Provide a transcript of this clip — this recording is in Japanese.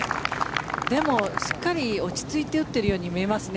でもしっかり落ち着いて打ってるように見えますね。